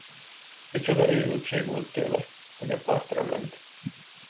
Micsoda őrültség volt tőle, hogy a partra ment!